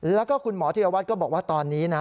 แล้วก็คุณหมอธิรวัตรก็บอกว่าตอนนี้นะ